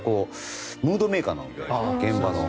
ムードメーカーなので、現場の。